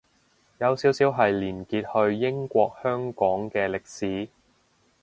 有少少係連結去英國香港嘅歷史